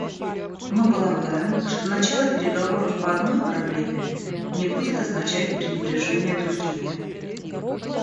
Мы полагаем, что начало переговоров по одной проблеме не будет означать пренебрежение другими.